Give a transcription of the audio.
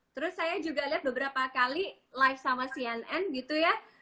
terus saya juga lihat beberapa kali live sama cnn gitu ya